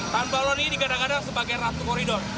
tan balon ini digadang gadang sebagai ratu koridor